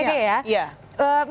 pengen ke keke ya